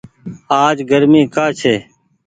آج گرمي ڪآ ڇي ۔